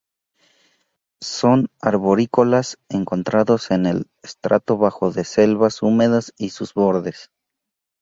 Son arborícolas encontrados en el estrato bajo de selvas húmedas y sus bordes.